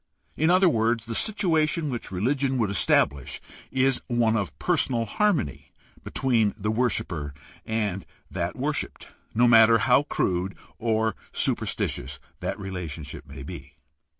In other words, the situation which religion would estabhsh is one of personal harmony between the worshiper and that worshiped, no matter how crude or superstitious that relationship may be.